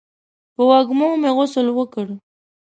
په وږمو مې غسل وکړ